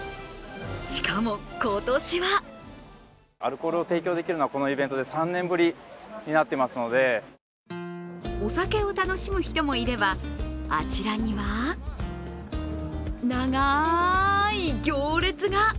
しかも、今年はお酒を楽しむ人もいれば、あちらには長い行列が。